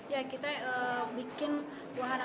ya kita bikin buahana baru